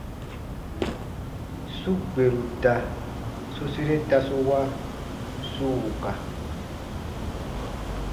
Su gberu da su sere tasu wa su wuka.